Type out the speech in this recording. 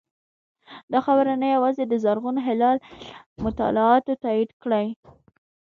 دا خبره نه یوازې د زرغون هلال مطالعاتو تایید کړې